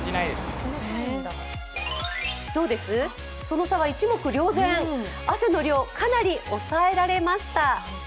その差は一目瞭然汗の量、かなり抑えられました。